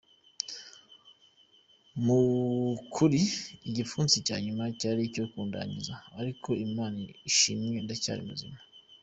Mu kuri igipfunsi cya nyuma cyari icyo kundangiza ariko Imana ishimwe ndacyari muzima.”